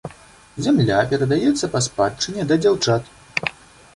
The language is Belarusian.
Зямля перадаецца па спадчыне да дзяўчат.